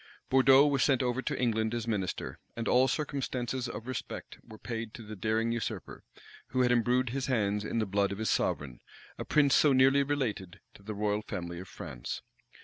Bourdeaux was sent over to England as minister; and all circumstances of respect were paid to the daring usurper, who had imbrued his hands in the blood of his sovereign, a prince so nearly related to the royal family of France.